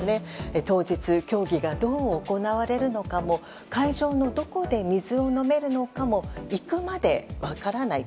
当日、競技がどう行われるのかも会場のどこで水を飲めるのかも行くまで分からない。